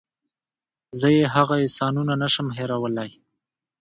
زه یې هغه احسانونه نشم هېرولی.